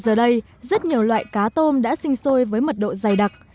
giờ đây rất nhiều loại cá tôm đã sinh sôi với mật độ dày đặc